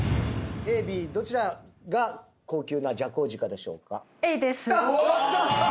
ＡＢどちらが高級なジャコウジカでしょうか。